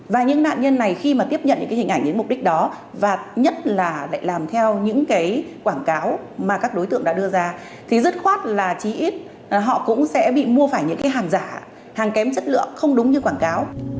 và những nạn nhân này khi mà tiếp nhận những cái hình ảnh những mục đích đó và nhất là lại làm theo những cái quảng cáo mà các đối tượng đã đưa ra thì rất khoát là chỉ ít họ cũng sẽ bị mua phải những cái hàng giả hàng kém chất lượng không đúng như quảng cáo